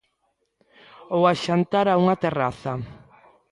Ou a xantar a unha terraza.